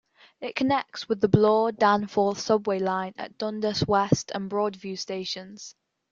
It connects with the Bloor-Danforth subway line at Dundas West and Broadview stations.